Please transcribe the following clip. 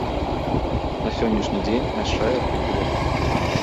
На сённяшні дзень змяшчае артыкулаў.